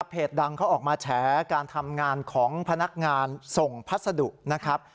ดังเขาออกมาแฉการทำงานของพนักงานส่งพัสดุนะครับ